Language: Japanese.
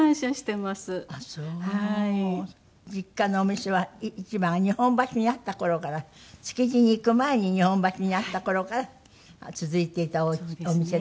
実家のお店は市場が日本橋にあった頃から築地にいく前に日本橋にあった頃から続いていたお店だったんですって？